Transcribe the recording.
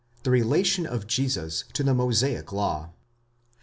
THE RELATION OF JESUS TO THE MOSAIC LAW.